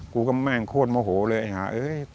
กูก็แม่งโคตรโมโหเลยหา